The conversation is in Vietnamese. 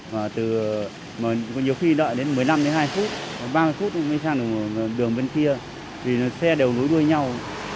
mà có nhiều khi đợi đến một mươi năm đến hai mươi phút ba mươi phút mới sang đường bên kia vì xe đều núi đuôi nhau